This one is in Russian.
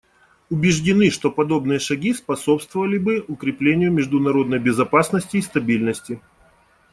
Убеждены, что подобные шаги способствовали бы укреплению международной безопасности и стабильности.